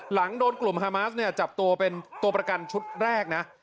หลังโดนกลุ่มฮามาสเนี่ยจับตัวเป็นตัวประกันชุดแรกนะ